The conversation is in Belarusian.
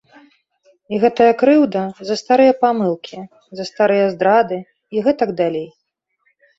І гэтая крыўда за старыя памылкі, за старыя здрады і гэтак далей.